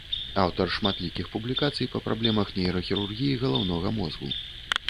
Аўтар шматлікіх публікацый па праблемах нейрахірургіі галаўнога мозгу.